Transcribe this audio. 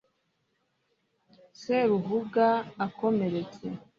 seruhuga akomeretse